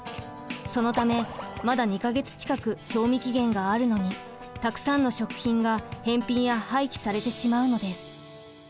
そのためまだ２か月近く賞味期限があるのにたくさんの食品が返品や廃棄されてしまうのです。